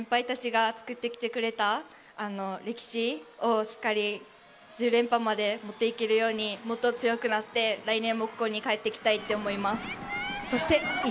しっかり先輩たちが作ってきてくれた歴史をしっかり１０連覇まで持っていけるように、もっと強くなって、来年も帰ってきたいと思います。